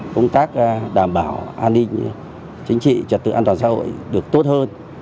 công tác đảm bảo an ninh chính trị trật tự an toàn xã hội được tốt hơn